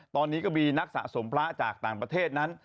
ตอนนี้ก็มีนักสะสมพระจากต่างประเทศนั้น